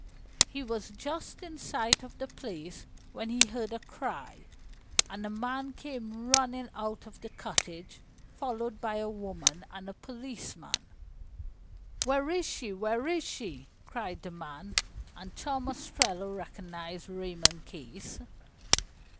He was just in sight of the place when he heard a cry, and a man came running out of the cottage, followed by a woman and a policeman. "Where is she? Where is she?" cried the man, and Tom Ostrello recognized Raymond Case.